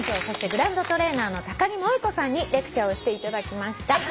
そしてグランドトレーナーの高木萌子さんにレクチャーをしていただきました。